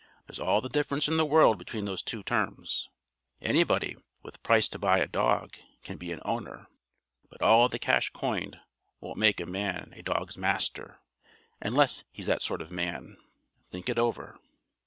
There's all the difference in the world between those two terms. Anybody, with price to buy a dog, can be an 'owner,' but all the cash coined won't make a man a dog's 'master' unless he's that sort of man. Think it over."